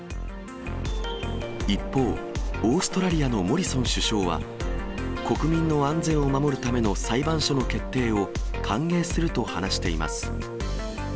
一方、オーストラリアのモリソン首相は、国民の安全を守るための裁判所の決定を歓迎すると話しています。